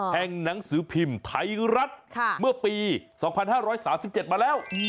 หนังสือพิมพ์ไทยรัฐเมื่อปี๒๕๓๗มาแล้ว